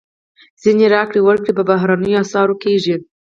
ځینې راکړې ورکړې په بهرنیو اسعارو کېږي.